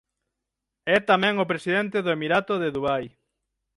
É tamén o presidente do emirato de Dubai.